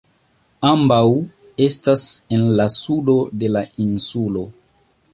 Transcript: Ambaŭ estas en la sudo de la insulo.